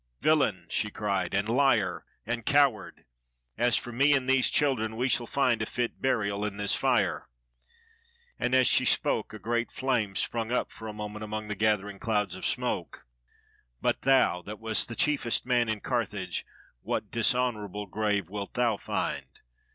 "Villain," she cried, "and har, and coward, as for me and these children, we shall find a fit burial in this fire "; and as she spoke a great flame sprung up for a moment among the gathering clouds of smoke; "but thou, that wast the chiefest man in Carthage, what dishonorable grave wilt thou find?